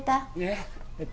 えっ？